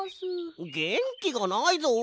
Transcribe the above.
げんきがないぞ。